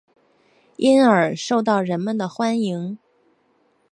因而受到人们的欢迎。